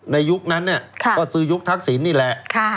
ยุคนั้นก็ซื้อยุคทักษิณนี่แหละ